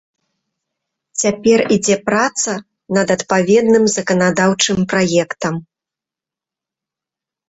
Цяпер ідзе праца над адпаведным заканадаўчым праектам.